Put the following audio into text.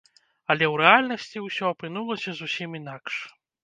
Але ў рэальнасці ўсё апынулася зусім інакш.